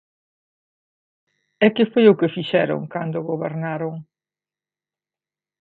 ¿E que foi o que fixeron cando gobernaron?